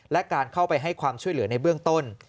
และการเข้าไปให้ความช่วยเหลือในเบื้องต้น